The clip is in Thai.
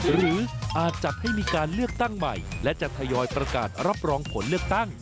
หรืออาจจัดให้มีการเลือกตั้งใหม่และจะทยอยประกาศรับรองผลเลือกตั้ง